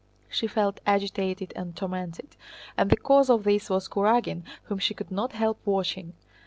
She felt agitated and tormented, and the cause of this was Kurágin whom she could not help watching.